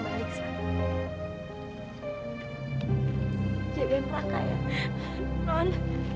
jangan terlaka ya non